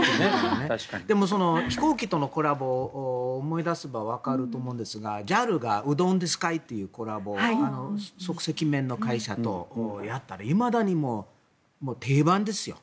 でも、飛行機とのコラボを思い出せばわかると思うんですがＪＡＬがうどんですかいというコラボ即席麺の会社とやったらいまだに定番ですよ。